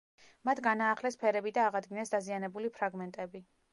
მათ განაახლეს ფერები და აღადგინეს დაზიანებული ფრაგმენტები.